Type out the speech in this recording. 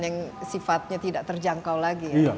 yang sifatnya tidak terjangkau lagi